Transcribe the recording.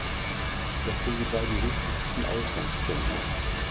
Das sind die beiden wichtigsten Ausgangspunkte.